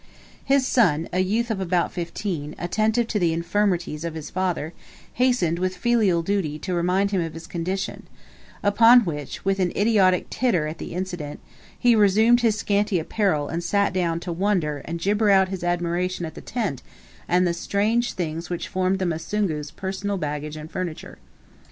His son, a youth of about fifteen, attentive to the infirmities of his father, hastened with filial duty to remind him of his condition, upon which, with an idiotic titter at the incident, he resumed his scanty apparel and sat down to wonder and gibber out his admiration at the tent and the strange things which formed the Musungu's personal baggage and furniture.